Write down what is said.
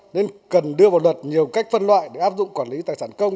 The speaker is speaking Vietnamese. nên cần đưa vào luật nhiều cách phân loại để áp dụng quản lý tài sản công